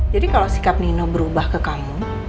jadi kalau sikap nino berubah ke kamu